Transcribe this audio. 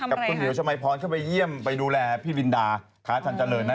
กับคุณเหี่ยวชมัยพรเข้าไปเยี่ยมไปดูแลพี่ลินดาท้าชันเจริญนะ